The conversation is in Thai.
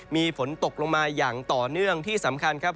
มีฝนตกลงมาอย่างต่อเนื่องที่สำคัญครับ